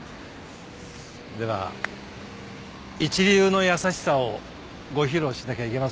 では一流の優しさをご披露しなきゃいけませんかね。